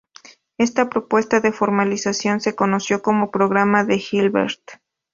Esta propuesta de formalización se conoció como "programa de Hilbert".